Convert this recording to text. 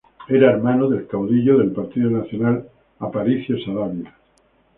Era hermano del caudillo del Partido Nacional Aparicio Saravia.